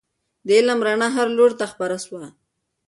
د علم رڼا هر لوري ته خپره سوه.